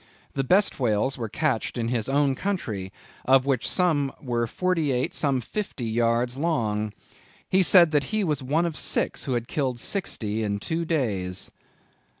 The best whales were catched in his own country, of which some were forty eight, some fifty yards long. He said that he was one of six who had killed sixty in two days."